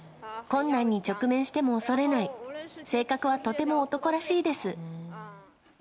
困難に直面しても恐れない、性格はとても男らしいです。